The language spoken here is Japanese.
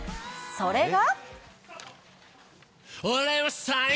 それが。